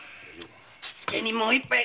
気つけにもう一杯！